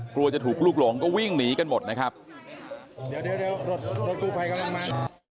กลัวจะถูกลูกหลงก็วิ่งหนีกันหมดนะครับเดี๋ยวเดี๋ยวรถกู้ภัยกำลังมา